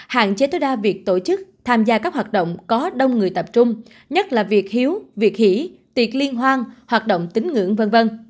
hạn chế tối đa việc tổ chức tham gia các hoạt động có đông người tập trung nhất là việc hiếu việt hi tiệc liên hoan hoạt động tính ngưỡng v v